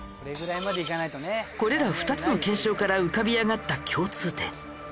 これら２つの検証から浮かび上がった共通点。